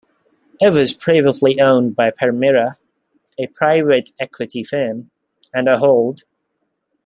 It was previously owned by Permira, a private equity firm, and Ahold.